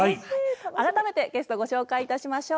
改めてゲストご紹介いたしましょう。